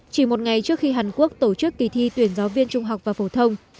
chỉ một ngày trước khi hàn quốc tổ chức kỳ thi tuyển giáo viên trung học và phổ thông